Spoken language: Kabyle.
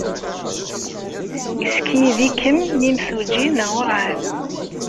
Yessekyed-ikem yimsujji neɣ werɛad?